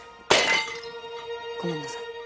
ごめんなさい。